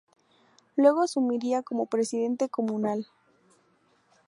Luego asumiría como presidente comunal.